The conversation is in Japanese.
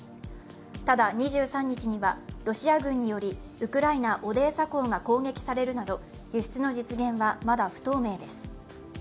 ただ２３日には、ロシア軍によりウクライナ・オザーサ港が攻撃されるなど、輸出の実現はまだ不透明です。